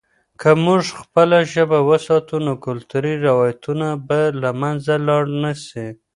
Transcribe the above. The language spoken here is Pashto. که موږ خپله ژبه وساتو، نو کلتوري روایتونه به له منځه لاړ نه سي.